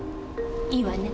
いいわね。